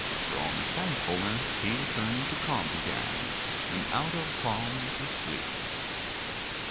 From thankfulness he turned to calm again, and out of calm to sleep.